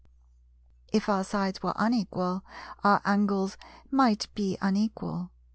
If our sides were unequal our angles might be unequal.